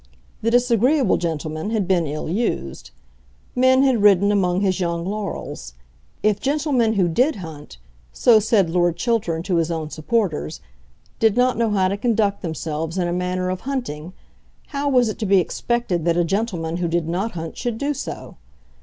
The disagreeable gentleman had been ill used. Men had ridden among his young laurels. If gentlemen who did hunt, so said Lord Chiltern to his own supporters, did not know how to conduct themselves in a matter of hunting, how was it to be expected that a gentleman who did not hunt should do so?